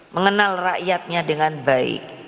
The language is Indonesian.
mengenal rakyatnya dengan baik